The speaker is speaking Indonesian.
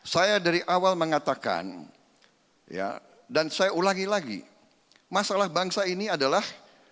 saya dari awal mengatakan dan saya ulangi lagi masalah bangsa ini adalah